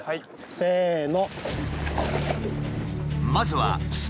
せの。